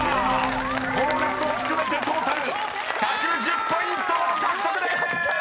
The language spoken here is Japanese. ［ボーナスを含めてトータル１１０ポイント獲得でーす！］